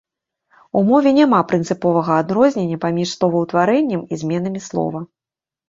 У мове няма прынцыповага адрознення паміж словаўтварэннем і зменамі слова.